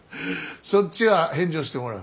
そっちは返上してもらう。